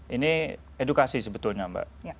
ini edukasi sebetulnya mbak